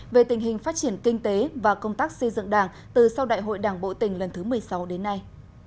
về tình hình phát triển kinh tế và công tác xây dựng đảng từ sau đại hội đảng bộ tỉnh lần thứ một mươi sáu đến nay